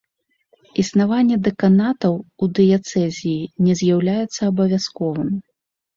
Існаванне дэканатаў у дыяцэзіі не з'яўляецца абавязковым.